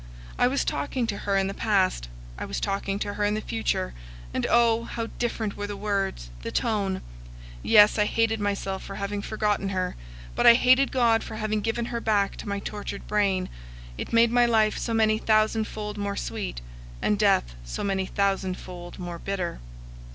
I was talking to her in the past, I was talking to her in the future, and oh! how different were the words, the tone! Yes, I hated myself for having forgotten her; but I hated God for having given her back to my tortured brain; it made life so many thousandfold more sweet, and death so many thousandfold more bitter.